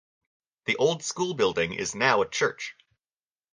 The old school building is now a church.